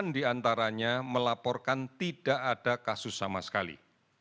delapan diantaranya melaporkan tidak ada kasus sama sekali